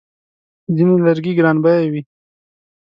ځینې لرګي ګرانبیه وي.